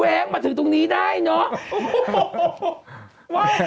แว้งมาถึงตรงนี้ได้เนอะ